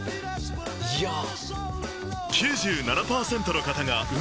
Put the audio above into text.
⁉いやぁ。